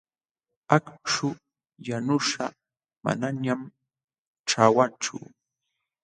Akśhu yanuśhqa manañan ćhawachu.